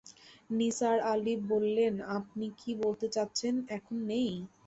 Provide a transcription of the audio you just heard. নিসার আলি বললেন, আপনি কি বলতে চাচ্ছেন, এখন নেই?